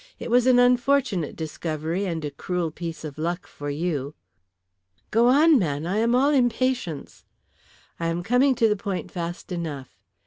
It was an unfortunate discovery and a cruel piece of luck for you." "Go on, man. I am all impatience." "I am coming to the point fast enough.